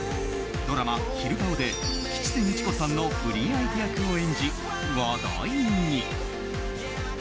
ドラマ「昼顔」で吉瀬美智子さんの不倫相手役を演じ話題に。